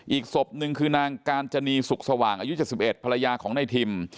อีกศพหนึ่งคือนางกาญจนีสุขสว่างอายุ๗๑ภรรยาของนายทิม